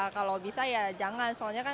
kalau bisa ya jangan soalnya kan